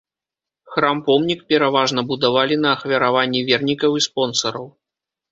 Храм-помнік пераважна будавалі на ахвяраванні вернікаў і спонсараў.